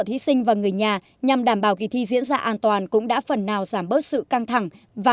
thí sinh và người nhà nhằm đảm bảo kỳ thi diễn ra an toàn cũng đã phần nào giảm bớt sự căng thẳng và